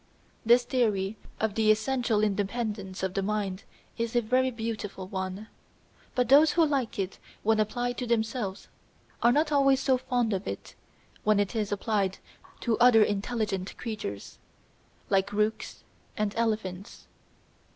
This theory of the essential independence of the mind is a very beautiful one, but those who like it when applied to themselves are not always so fond of it when it is applied to other intelligent creatures like rooks and elephants.